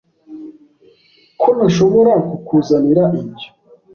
Ko ntashobora kukuzanira ibyo